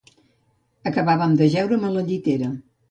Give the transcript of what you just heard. Acabaven d'ajeure'm a la llitera